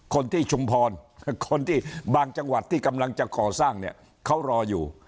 คนที่ชุมพรคนที่บางจังหวัดที่กำลังจะก่อสร้างเนี่ยเขารออยู่